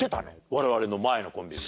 我々の前のコンビ名。